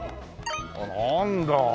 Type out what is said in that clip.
なんだ。